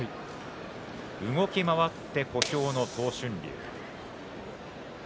動き回って小兵の東俊隆。